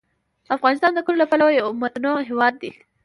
افغانستان د کلیو له پلوه یو متنوع هېواد دی.